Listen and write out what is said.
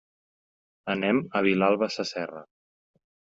Anem a Vilalba Sasserra.